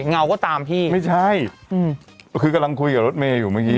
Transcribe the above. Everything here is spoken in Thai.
เงาก็ตามพี่ไม่ใช่อืมคือกำลังคุยกับรถเมย์อยู่เมื่อกี้